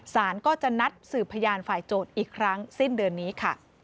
สารก็จะนัดสืบพยานฝ่ายโจทย์อีกครั้งสิ้นเดือนนี้ค่ะ